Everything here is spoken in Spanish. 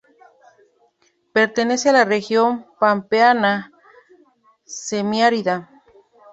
Pertenece a la región pampeana semiárida.